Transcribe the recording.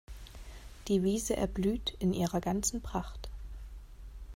Die Wiese erblüht in ihrer ganzen Pracht.